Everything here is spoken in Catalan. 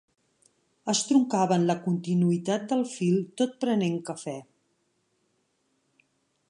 Estroncaven la continuïtat del fil tot prenent cafè.